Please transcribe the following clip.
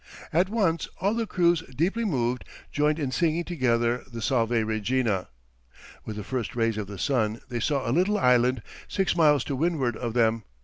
At once all the crews deeply moved, joined in singing together the Salve Regina. With the first rays of the sun they saw a little island, six miles to windward of them.